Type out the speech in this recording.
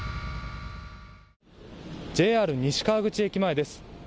ＪＲ西川口駅前です。